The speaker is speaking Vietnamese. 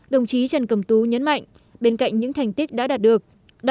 đồng chí trần cầm tú nhấn mạnh bên cạnh những thành tích đã đạt được